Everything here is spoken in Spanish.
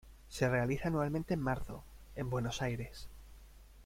Se realiza anualmente en marzo, en Buenos Aires.